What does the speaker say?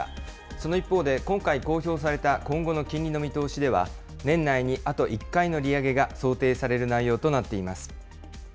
その一方で、今回、公表された今後の金利の見通しでは、年内にあと１回の利上げが想定される内容